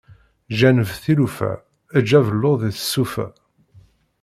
Janeb tilufa eǧǧ abelluḍ i tsufa.